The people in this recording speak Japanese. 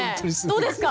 どうですか？